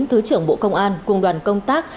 thứ trưởng bộ công an cùng đoàn công tác